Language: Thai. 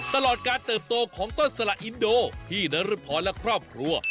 ตลอดการเติบโตของต้นสละอินโดพี่นรพรและครอบครัว